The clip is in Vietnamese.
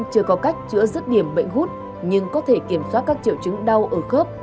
chưa có cách chữa dứt điểm bệnh hút nhưng có thể kiểm soát các triệu chứng đau ở khớp